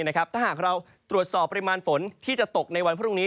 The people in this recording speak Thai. ถ้าหากเราตรวจสอบปริมาณฝนที่จะตกในวันพรุ่งนี้